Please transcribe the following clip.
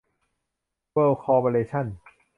เวิลด์ คอร์ปอเรชั่น